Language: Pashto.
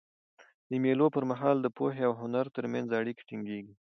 د مېلو پر مهال د پوهي او هنر ترمنځ اړیکه ټینګيږي.